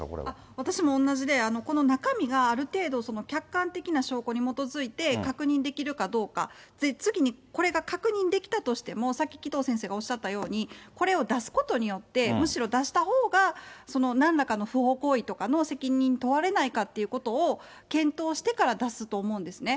私もおんなじで、この中身がある程度、客観的な証拠に基づいて確認できるかどうか、次にこれが確認できたとしても、さっき、紀藤先生がおっしゃったように、これを出すことによって、むしろ出したほうがなんらかの不法行為とかの責任に問われないかっていうことを検討してから出すと思うんですね。